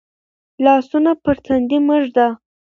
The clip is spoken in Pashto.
لاسونه پر تندي مه ږده.